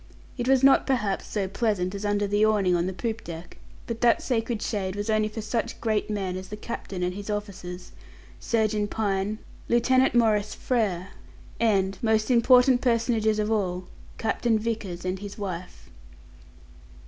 It was not, perhaps, so pleasant as under the awning on the poop deck, but that sacred shade was only for such great men as the captain and his officers, Surgeon Pine, Lieutenant Maurice Frere, and, most important personages of all, Captain Vickers and his wife.